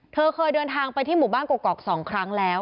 เธอเคยเดินทางไปที่หมู่บ้านกรอก๒ครั้งแล้ว